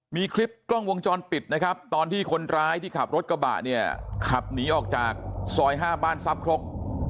มีคลิปกล้องวงจรปิดนะครับตอนที่คนร้ายที่ขับรถกระบะเนี่ยขับหนีออกจากซอย๕บ้านทรัพย์ครก